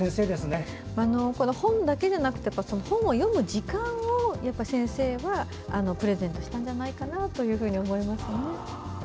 本だけじゃなくて本を読む時間を先生はプレゼントしたんじゃないかなというふうに思います。